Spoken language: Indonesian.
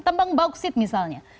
tambang bauksit misalnya